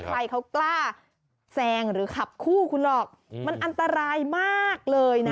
ใครเขากล้าแซงหรือขับคู่คุณหรอกมันอันตรายมากเลยนะ